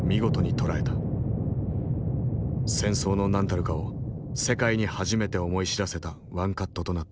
戦争の何たるかを世界に初めて思い知らせたワンカットとなった。